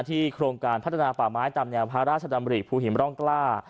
โครงการพัฒนาป่าไม้ตามแนวพระราชดำริภูหินร่องกล้า